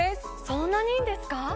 そんなにいいんですか？